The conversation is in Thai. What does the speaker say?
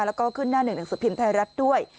และก็ขึ้นหน้าหนึ่งถึงสภิมษ์ไทยรัฐด้วย